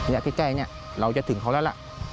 ในระยะใกล้เราจะถึงเขาแล้ว